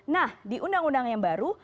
nah di undang undang yang baru